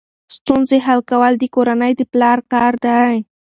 ستونزې حل کول د کورنۍ د پلار کار دی.